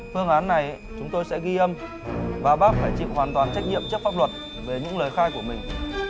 phương án này chúng tôi sẽ ghi âm và bác phải chịu hoàn toàn trách nhiệm trước pháp luật về những lời khai của mình